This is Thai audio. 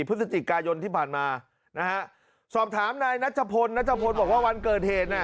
พฤศจิกายนที่ผ่านมานะฮะสอบถามนายนัชพลนัชพลบอกว่าวันเกิดเหตุน่ะ